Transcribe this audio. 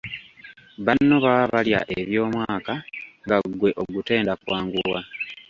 Banno baba balya eby’omwaka nga ggwe ogutenda kwanguwa.